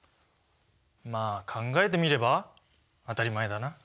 まあ考えてみれば当たり前だな。